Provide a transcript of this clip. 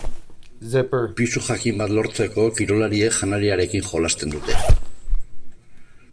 Pisu jakin bat lortzeko kirolariek janariarekin jolasten dute.